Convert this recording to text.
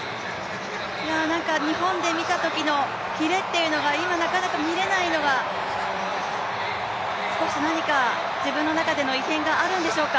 日本で見たときのキレというのが今、なかなか見れないのが少し何か自分の中での異変があるんでしょうか。